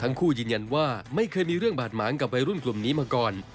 คู่ยืนยันว่าไม่เคยมีเรื่องบาดหมางกับวัยรุ่นกลุ่มนี้มาก่อน